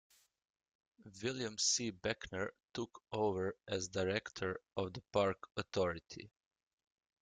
William C. Beckner took over as director of the Park Authority.